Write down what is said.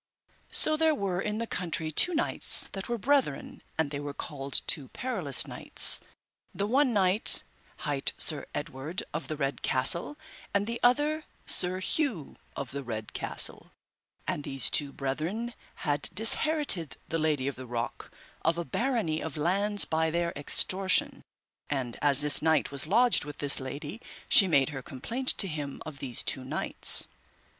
So there were in the country two knights that were brethren, and they were called two perilous knights, the one knight hight Sir Edward of the Red Castle, and the other Sir Hue of the Red Castle; and these two brethren had disherited the Lady of the Rock of a barony of lands by their extortion. And as this knight was lodged with this lady she made her complaint to him of these two knights.